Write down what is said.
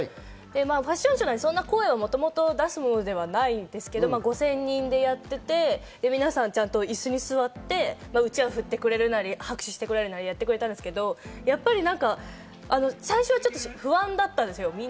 ファッションショーなんで、もともと声を出すものではないですけど、５０００人でやっていて、皆さんちゃんと椅子に座って、うちわを振ってくれるなり拍手してくれるなり、やってくれたんですけど、最初は不安だったんです。